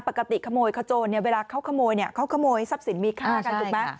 ปกติขโมยขโจรเนี่ยเวลาเขาขโมยเนี่ยเขาขโมยทรัพย์สินมีค่ากันถูกไหม